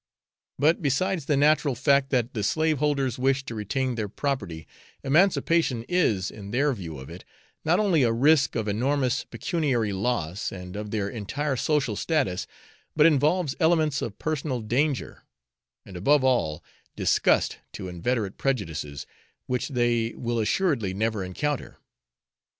But, besides the natural fact that the slaveholders wish to retain their property, emancipation is, in their view of it, not only a risk of enormous pecuniary loss, and of their entire social status, but involves elements of personal danger, and above all, disgust to inveterate prejudices, which they will assuredly never encounter.